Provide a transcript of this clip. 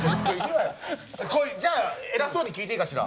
じゃあ偉そうに聞いていいかしら。